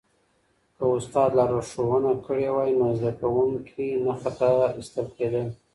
که استاد لارښوونه کړې وای نو زده کوونکی نه خطا استل کېدل.